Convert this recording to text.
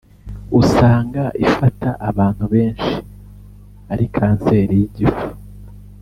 usanga ifata abantu benshi ari kanseri y’igifu